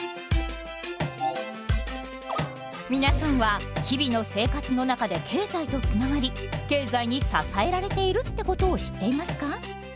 皆さんは日々の生活の中で経済とつながり経済に支えられているってことを知っていますか？